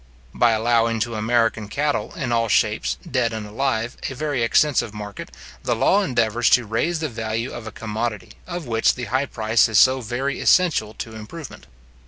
By allowing to American cattle, in all shapes, dead and alive, a very extensive market, the law endeavours to raise the value of a commodity, of which the high price is so very essential to improvement.